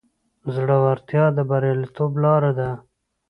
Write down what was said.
زړورتیا د بریالیتوب لاره ده.